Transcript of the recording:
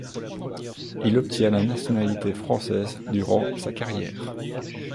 Il obtient la nationalité française durant sa carrière.